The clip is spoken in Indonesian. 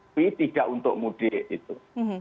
tapi tidak untuk mudik itu